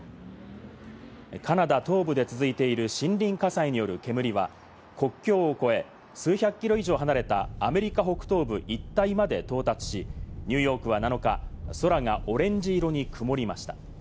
カナダ東部で続いている森林火災による煙は国境を越え、数百キロ以上離れたアメリカ北東部一帯まで到達し、ニューヨークは７日、空がオレンジ色に曇ました。